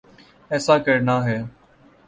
ایسا کرنا ہے۔